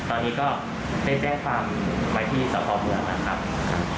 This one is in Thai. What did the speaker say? ตอนนี้ก็ได้แจ้งความใหม่ที่ทรลภัณฑ์เหมือนกันครับ